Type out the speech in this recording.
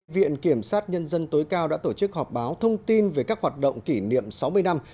viện kiểm sát nhân dân tối cao đã tổ chức họp báo thông tin về các hoạt động kỷ niệm sáu mươi năm